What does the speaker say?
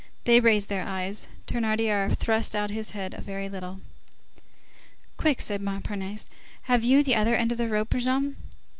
They raised their eyes. Thénardier thrust out his head a very little. "Quick!" said Montparnasse, "have you the other end of the rope, Brujon?"